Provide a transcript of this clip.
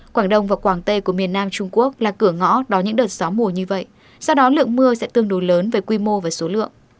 quảng đông và quảng tây của miền nam trung quốc là cửa ngõ đón những đợt gió mùa như vậy sau đó lượng mưa sẽ tương đối lớn về quy mô và số lượng